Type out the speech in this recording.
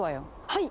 はい！